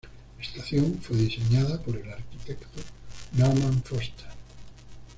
La estación fue diseñada por el arquitecto Norman Foster.